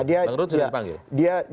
bang rut sudah dipanggil